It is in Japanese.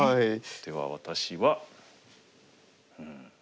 では私はうん。